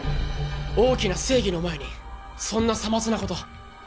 大きな正義の前にそんなさまつなこと